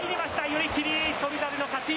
寄り切り、翔猿の勝ち。